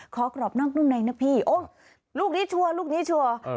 กรอบนอกนุ่มในนะพี่โอ้ลูกนี้ชัวร์ลูกนี้ชัวร์